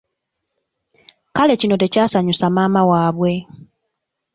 Kale kino tekyasanyusa maama waabwe.